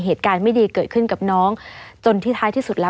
เหตุการณ์ไม่ดีเกิดขึ้นกับน้องจนที่ท้ายที่สุดแล้ว